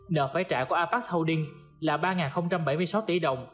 nợ phải trả của apac holdings là ba bảy mươi sáu tỷ đồng